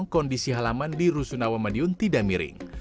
kondisi halaman di rusunawa madiun tidak miring